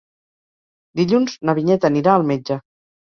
Dilluns na Vinyet anirà al metge.